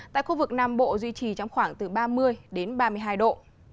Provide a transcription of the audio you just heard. tại khu vực nam bộ duy trì trong khoảng từ ba mươi đến ba mươi hai độ